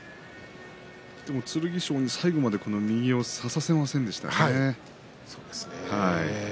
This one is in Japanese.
剣翔に最後まで右を差させませんでしたね。